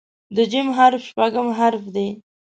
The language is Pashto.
د "ج" حرف شپږم حرف دی.